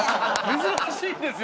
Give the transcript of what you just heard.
珍しいんですよ。